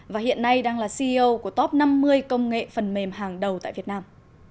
và hiện nay đang là ceo của top năm mươi công nghệ phần mềm hàng đầu tại việt nam